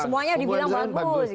semuanya dibilang bagus gitu